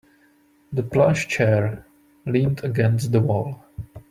The plush chair leaned against the wall.